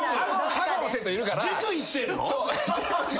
他校の生徒いるから。